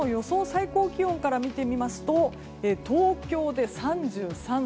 最高気温から見ていきますと東京で３３度。